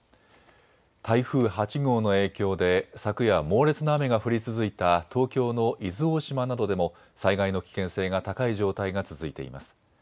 台風８号の影響で昨夜、猛烈な雨が降り続いた東京の伊豆大島などでも災害の危険性が高い状態が続いています。